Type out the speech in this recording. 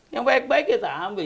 yang baik baik kita ambil